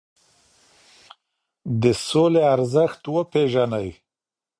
د سولي ارزښت وپیرژنئ.